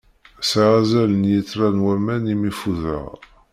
Swiɣ azal n lyitra n waman imi fudeɣ.